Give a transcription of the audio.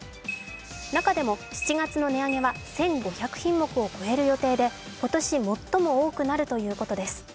中でも７月の値上げは１５００品目を超える予定で今年最も多くなるということです。